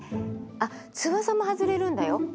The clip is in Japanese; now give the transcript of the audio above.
あっ翼も外れるんだよ。